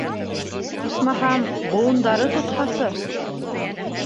Исмаһам, быуындары тотһасы...